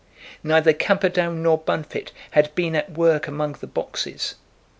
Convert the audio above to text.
Neither Camperdown nor Bunfit had been at work among the boxes.